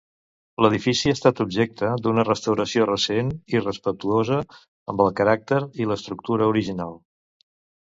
L'edifici ha estat objecte d'una restauració recent irrespectuosa amb el caràcter i l'estructura original.